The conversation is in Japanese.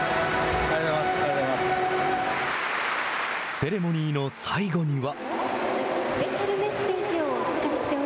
セレモニーの最後には。